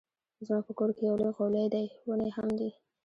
زما په کور کې يو لوی غولی دی ونې هم دي